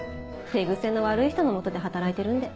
手癖の悪い人の元で働いてるんで。